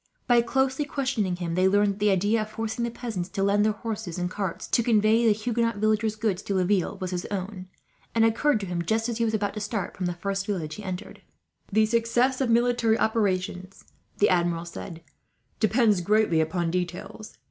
By closely questioning him, they learned that the idea of forcing the peasants to lend their horses and carts, to convey the Huguenot villagers' goods to Laville, was his own, and occurred to him just as he was about to start from the first village he entered. "The success of military operations," the Admiral said, "depends greatly upon details.